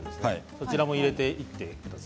そちらも入れてください。